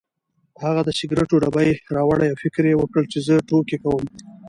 هغه د سګرټو ډبې راوړې او فکر یې وکړ چې زه ټوکې کوم.